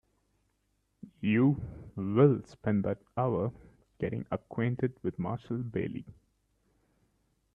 You will spend that hour getting acquainted with Marshall Bailey.